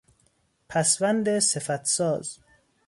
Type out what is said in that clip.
پسوند صفتساز